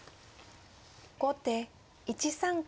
後手１三角。